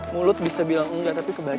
mulut bisa bilang engga tapi kebaca sih